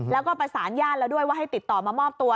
แล้วก็ประสานญาติแล้วด้วยว่าให้ติดต่อมามอบตัว